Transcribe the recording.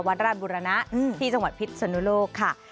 ราชบุรณะที่จังหวัดพิษสนุโลกค่ะ